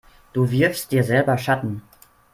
Du wirfst dir selber Schatten.